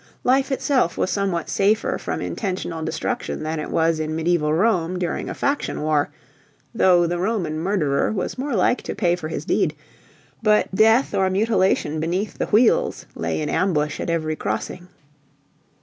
Life itself was somewhat safer from intentional destruction than it was in medieval Rome during a faction war though the Roman murderer was more like to pay for his deed but death or mutilation beneath the wheels lay in ambush at every crossing.